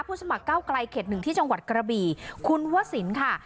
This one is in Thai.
สมัครเก้าไกลเขตหนึ่งที่จังหวัดกระบี่คุณวสินค่ะ